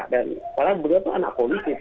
dan karena beliau tuh anak polisi